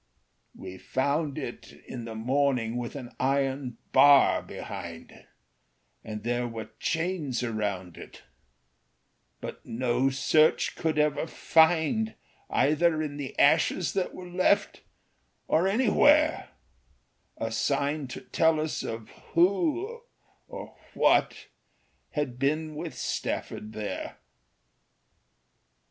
"We found it in the morning with an iron bar behind, And there were chains around it; but no search could ever find, Either in the ashes that were left, or anywhere, A sign to tell of who or what had been with Stafford there.